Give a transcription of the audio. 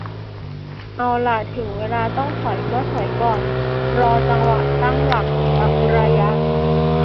เอาล่ะ ถึงเวลาต้องถอยก็ถอยก่อน รอจังหวะตั้งหลักสักระยะ